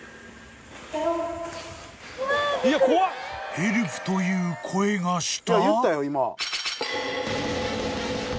［ヘルプという声がした！？］